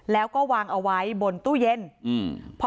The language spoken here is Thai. แล้วก็วางเอาไว้บนตู้เย็นอืม